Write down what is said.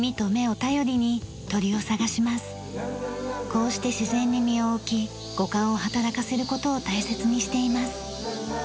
こうして自然に身を置き五感を働かせる事を大切にしています。